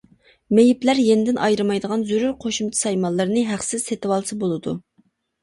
مېيىپلەر يېنىدىن ئايرىمايدىغان زۆرۈر قوشۇمچە سايمانلىرىنى ھەقسىز سېلىۋالسا بولىدۇ.